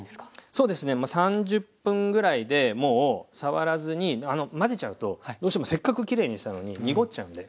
そうですね３０分ぐらいでもう触らずに混ぜちゃうとどうしてもせっかくきれいにしたのに濁っちゃうんで。